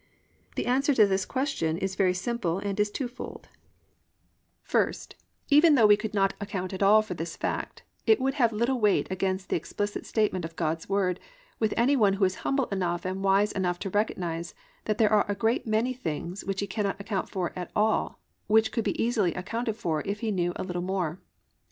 The answer to this question is very simple and is two fold: First, even though we could not account at all for this fact, it would have little weight against the explicit statement of God's Word with any one who is humble enough and wise enough to recognise that there are a great many things which he cannot account for at all which could be easily accounted for if he knew a little more.